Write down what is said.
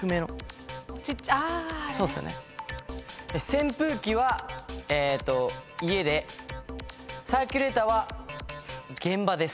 扇風機はえーっと家でサーキュレーターは現場です。